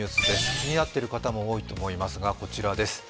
気になっている方も多いと思いますがこちらです。